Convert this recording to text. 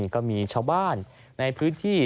ก็มีชาวบ้านในพื้นที่